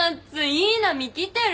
いい波来てる！